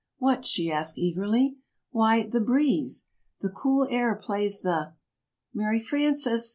"What?" she asked eagerly. "Why, the breeze! The cool air plays the " "Mary Frances!"